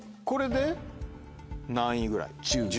これで何位ぐらい？